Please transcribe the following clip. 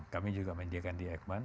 kami juga menyediakan di ekman